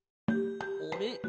あれ？